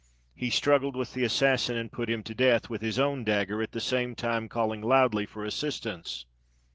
He struggled with the assassin, and put him to death with his own dagger, at the same time calling loudly for assistance.